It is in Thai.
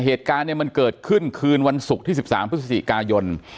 เหตุการณ์เนี่ยมันเกิดขึ้นคืนวันศุกร์ที่๑๓พฤศจิกายน